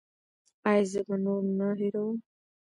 ایا زه به نور نه هیروم؟